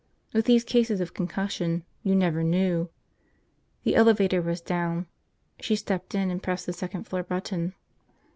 With these cases of concussion, you never knew. The elevator was down. She stepped in and pressed the second floor button.